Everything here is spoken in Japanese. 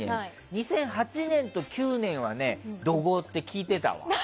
２００８年と２００９年は怒号って聞いてたわ。